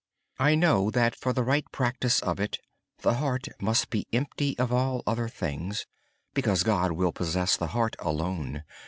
I know that for the right practice of it, the heart must be empty of all other things; because God will possess the heart alone.